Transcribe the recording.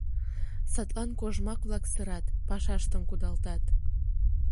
Садлан кожмак-влак сырат, пашаштым кудалтат.